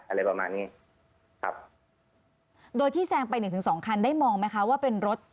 อะไรประมาณนี้ครับโดยที่แซงไปหนึ่งถึงสองคันได้มองไหมคะว่าเป็นรถ